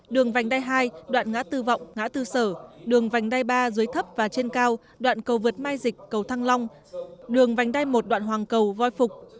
đường vành đai hai đoạn ngã tư vọng ngã tư sở đường vành đai ba dưới thấp và trên cao đoạn cầu vượt mai dịch cầu thăng long đường vành đai một đoạn hoàng cầu voi phục